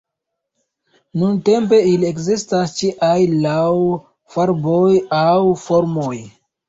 Nuntempe ili ekzistas ĉiaj laŭ farboj aŭ formoj.